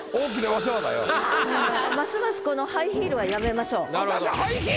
ますますこの「ハイヒール」はやめましょう。